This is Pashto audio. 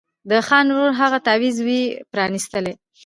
د خان ورور هغه تعویذ وو پرانیستلی